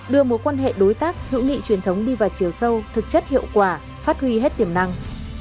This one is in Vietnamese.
đưa mối quan hệ đối tác hữu nghị truyền thống đi vào chiều sâu thực chất hiệu quả phát huy hết tiềm năng